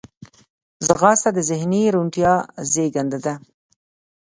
ځغاسته د ذهني روڼتیا زیږنده ده